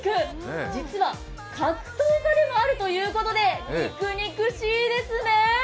実は格闘家でもあるということで肉肉しいですね！